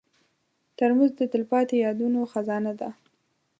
ترموز د تلپاتې یادونو خزانه ده.